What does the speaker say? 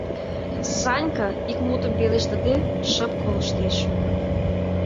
Санька, ик мутым пелештыде, шып колыштеш.